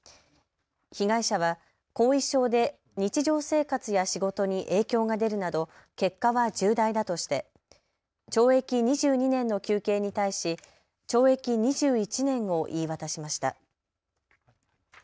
被害者は後遺症で日常生活や仕事に影響が出るなど結果は重大だとして懲役２２年の求刑に対し懲役２１年を言い渡しました。